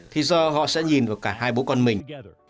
thì giờ họ sẽ nhìn vào cả hai bố con mình